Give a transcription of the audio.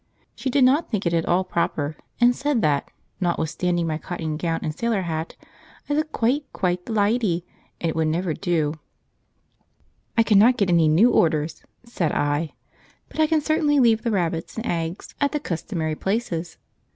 She did not think it at all proper, and said that, notwithstanding my cotton gown and sailor hat, I looked quite, quite the lydy, and it would never do. "I cannot get any new orders," said I, "but I can certainly leave the rabbits and eggs at the customary places.